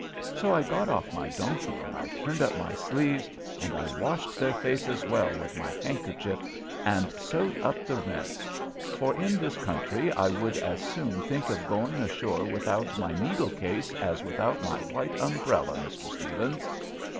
So I got off my donkey, and I turned up my sleeves, and I washed their faces well with my handkerchief, and sewed up the rents, for in this country I would as soon think of going ashore without my needle case as without my white umbrella, Mr. Stephens.